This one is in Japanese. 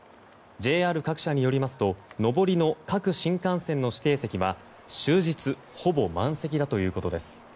ＪＲ各社によりますと上りの各新幹線の指定席は終日ほぼ満席だということです。